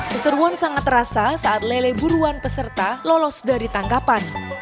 keseruan sangat terasa saat lele buruan peserta lolos dari tangkapan